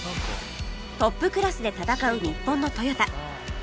トップクラスで戦う日本のトヨタ